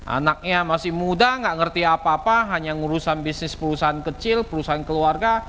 anaknya masih muda nggak ngerti apa apa hanya urusan bisnis perusahaan kecil perusahaan keluarga